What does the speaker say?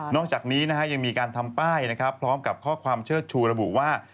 จากนี้ยังมีการทำป้ายนะครับพร้อมกับข้อความเชิดชูระบุว่า